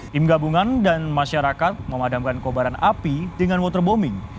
tim gabungan dan masyarakat memadamkan kobaran api dengan waterbombing